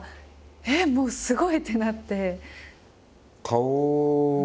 えっもうすごい！ってなって。